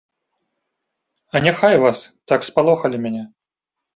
А няхай вас, так спалохалі мяне.